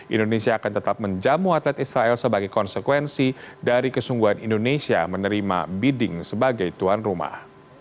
indonesia akan tetap menjamu atlet israel sebagai konsekuensi dari kesungguhan indonesia menerima bidding sebagai tuan rumah